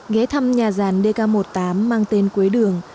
ghé thăm nhà dàn dk một mươi tám mang tên quế đường